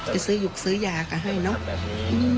ไปซื้อหยุกซื้อยากันให้เนอะ